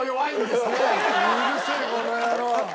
うるせえこの野郎！